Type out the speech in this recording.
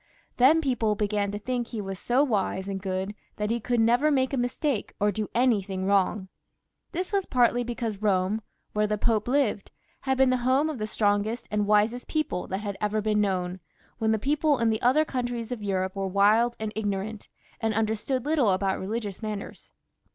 Then people began to think that he was so wise and good that he could never make a mistake or do anything wrong. This was partly because Bome, where the Pope lived, was the home of the strongest and wisest people that had ever been known, and the people in the other countries of Europe were wild and ignorant, and understood Uttle about religious matters.